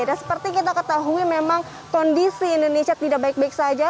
dan seperti kita ketahui memang kondisi indonesia tidak baik baik saja